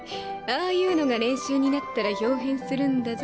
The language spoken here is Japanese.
ああいうのが練習になったら豹変するんだゾ！